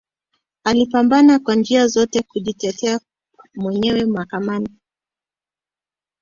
Alipambana kwa njia zote kujitetea mwenyewe mahakani